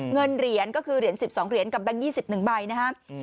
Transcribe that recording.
เงินเหรียญก็คือเหรียญ๑๒เหรียญกับแบงค์๒๑ใบนะครับ